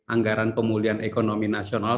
anggaran pemulihan ekonomi nasional